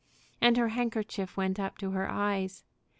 And her handkerchief went up to her eyes.